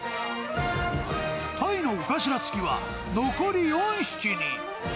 タイの尾頭付きは、残り４匹に。